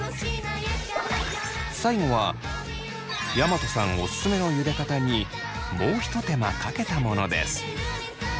最後は大和さんおすすめのゆで方にもうひと手間かけたものです。